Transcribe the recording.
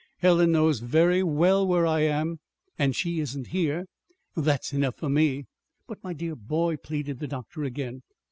"Helen knows very well where I am, and she isn't here. That's enough for me." "But, my dear boy " pleaded the doctor again.